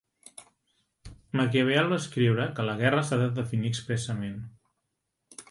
Maquiavel va escriure que la guerra s'ha de definir expressament.